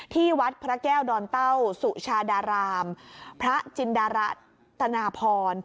ที่วัดพระแก้วดอนเต้าสุชาดารามพระจินดารัฐนาพร